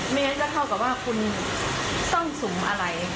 เมตรก็เท่ากับว่าคุณซ่องสุมอะไร